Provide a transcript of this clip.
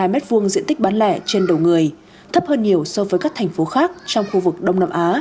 một mươi m hai diện tích bán lẻ trên đầu người thấp hơn nhiều so với các thành phố khác trong khu vực đông nam á